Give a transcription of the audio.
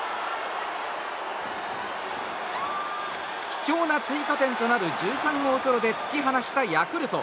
貴重な追加点となる１３号ソロで突き放したヤクルト。